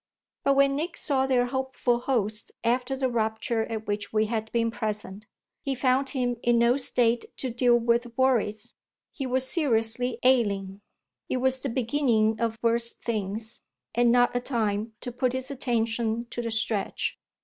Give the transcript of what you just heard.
But when Nick saw their hopeful host after the rupture at which we have been present he found him in no state to deal with worries: he was seriously ailing, it was the beginning of worse things and not a time to put his attention to the stretch.